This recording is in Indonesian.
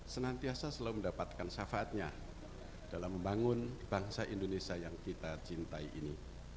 senantiasa selalu mendapatkan syafaatnya dalam membangun bangsa indonesia yang kita cintai ini